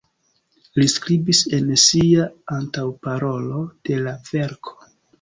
Li skribis en sia antaŭparolo de la verko.